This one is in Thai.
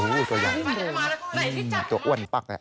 ตัวใหญ่ตัวอ้วนปั๊ก